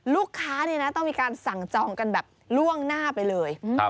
ลูกค้าต้องมีการสั่งจองกันแบบล่วงหน้าไปเลย